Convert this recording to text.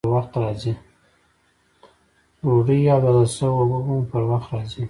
ډوډۍ او د اوداسه اوبه به مو پر وخت راځي!